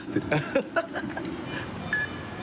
ハハハ